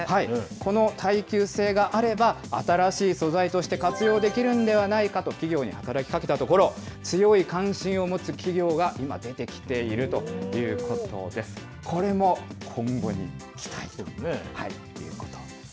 この耐久性があれば、新しい素材として活用できるんではないかと、企業に働きかけたところ、強い関心を持つ企業が今、出てきているということです。